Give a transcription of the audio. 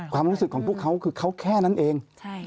ความรู้สึกของพวกเขาคือเขาแค่นั้นเอง